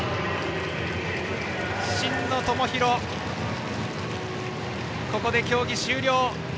真野友博、ここで競技終了。